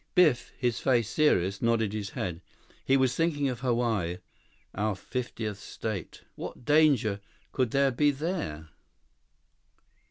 10 Biff, his face serious, nodded his head. He was thinking of Hawaii, our fiftieth state. What danger could there be there?